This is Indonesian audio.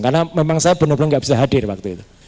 karena memang saya benar benar gak bisa hadir waktu itu